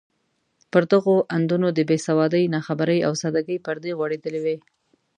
پر دغو اندونو د بې سوادۍ، ناخبرۍ او سادګۍ پردې غوړېدلې وې.